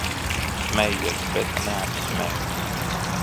Smejies, bet neapsmej.